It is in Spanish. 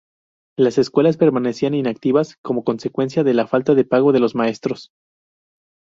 Las escuelas permanecían inactivas como consecuencia de la falta de pago de los maestros.